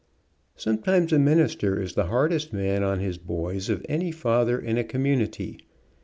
Sometimes a minister is the hardest man on his boys of any father in a community.